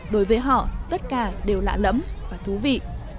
đối với họ tất cả đều lạ lẫm và thú vị